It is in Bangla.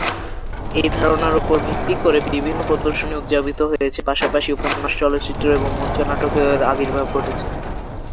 এই ধারণার উপর ভিত্তি করে বিভিন্ন প্রদর্শনী উদযাপিত হয়েছে; পাশাপাশি উপন্যাস, চলচ্চিত্র এবং মঞ্চ নাটকেও এর আবির্ভাব ঘটেছে।